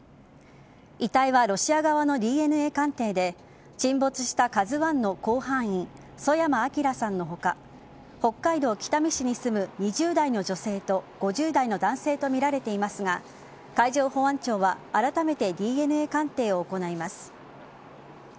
遺体はロシア側のＤＮＡ鑑定で沈没した「ＫＡＺＵ１」の甲板員曽山聖さんの他北海道北見市に住む２０代の女性と５０代の男性とみられていますが海上保安庁はあらためてＤＮＡ鑑定を行います。